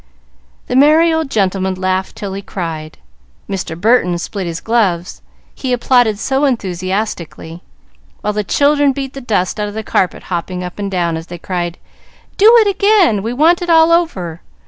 The merry old gentleman laughed till he cried; Mr. Burton split his gloves, he applauded so enthusiastically; while the children beat the dust out of the carpet hopping up and down, as they cried: "Do it again!" "We want it all over!"